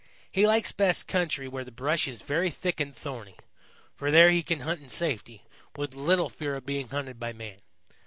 He likes best country where the brush is very thick and thorny, for there he can hunt in safety, with little fear of being hunted by man.